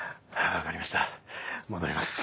分かりました戻ります。